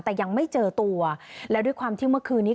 แต่ยังไม่เจอตัวแล้วด้วยความที่เมื่อคืนนี้